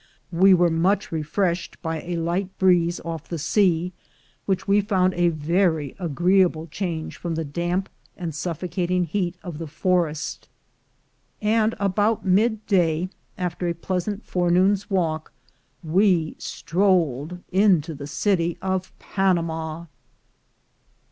We were much refreshed by a light breeze ON TO CALIFORNIA 37 off the sea, which we found a very agreeable change from the damp and suffocating heat of the forest; and about mid day, after a pleasant forenoon's walk, we strolled into the city of Panama.